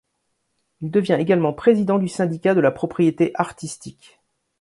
Il devient également président du syndicat de la propriété artistique.